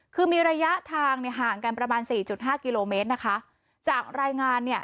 คือมีระยะทางเนี่ยห่างกันประมาณสี่จุดห้ากิโลเมตรนะคะจากรายงานเนี่ย